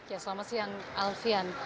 ya selamat siang alfian